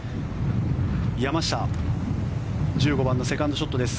山下１５番のセカンドショットです